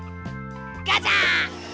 ガチャ！